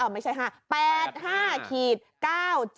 ๕ไม่ใช่ห้า๘๕๙๗๙๕ค่ะ